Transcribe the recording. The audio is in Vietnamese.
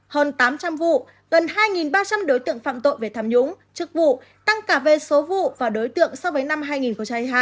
hơn tám trăm linh vụ gần hai ba trăm linh đối tượng phạm tội về tham nhũng chức vụ tăng cả về số vụ và đối tượng so với năm hai nghìn hai mươi hai